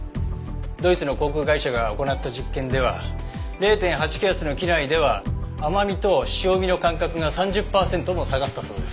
ドイツの航空会社が行った実験では０．８気圧の機内では甘味と塩味の感覚が３０パーセントも下がったそうです。